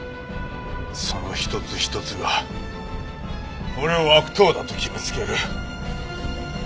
「そのひとつひとつが俺を悪党だと決めつける」。